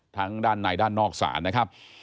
ด้านในด้านนอกศาลนะครับ